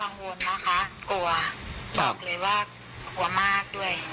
กังวลนะคะกลัวบอกเลยว่ากลัวมากด้วย